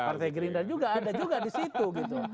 partai gerindra juga ada juga di situ gitu